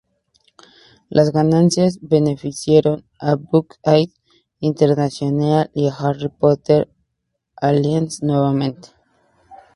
Las ganancias beneficiaron a Book Aid International y Harry Potter Alliance nuevamente.